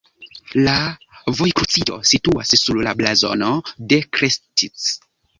La vojkruciĝo situas sur la blazono de Krestci.